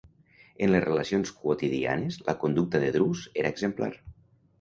En les relacions quotidianes, la conducta de Drus era exemplar.